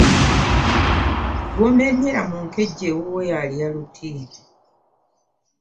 Gwomenyera mu nkejje, ewuwe alya luti .